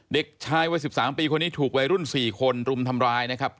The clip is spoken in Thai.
เด็กชายวัย๑๓ปีคนนี้ถูกวัยรุ่น๔คนรุมทำร้ายนะครับ